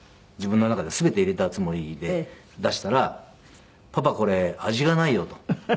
自分の中では全て入れたつもりで出したら「パパこれ味がないよ」と。